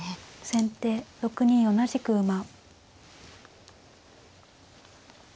先手６二同じく馬。